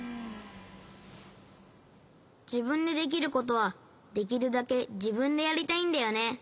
じぶんでできることはできるだけじぶんでやりたいんだよね。